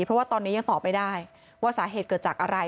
เพราะว่าตอนนี้ยังตอบไม่ได้ว่าสาเหตุเกิดจากอะไร